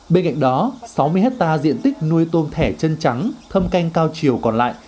bên cạnh đó sáu mươi hectare diện tích nuôi tôm thẻ chân trắng thâm canh cao chiều còn lại